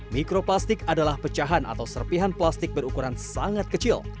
mikroplastik adalah pecahan atau serpihan plastik berukuran sangat kecil